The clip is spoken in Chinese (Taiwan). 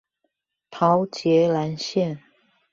桃捷藍線